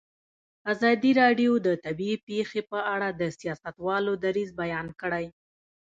ازادي راډیو د طبیعي پېښې په اړه د سیاستوالو دریځ بیان کړی.